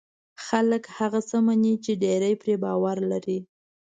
خلک هغه څه مني چې ډېری پرې باور لري.